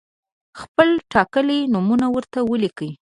خپل ټاکلي نومونه ورته ولیکئ.